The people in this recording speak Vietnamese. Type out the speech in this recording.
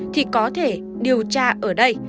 thì có thể điều tra ở đây